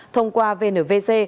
thông qua vnvc